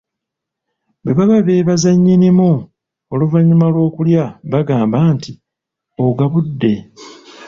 Bwe baba beebaza nnyinimu oluvannyuma lw'okulya bagamba nti ogabudde.